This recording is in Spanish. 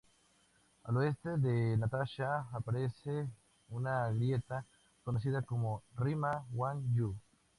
Al oeste de Natasha aparece una grieta conocida como Rima Wan-Yu.